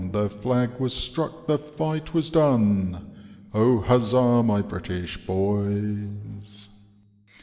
The flag was struck, the fight was done, O huzza ! my British boys.